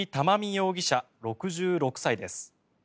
容疑者、６６歳です。